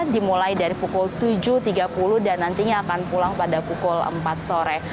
dimulai dari pukul tujuh tiga puluh dan nantinya akan pulang pada pukul empat sore